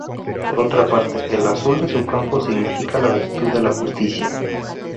Por otra parte, el azul de su campo significa la virtud de la justicia.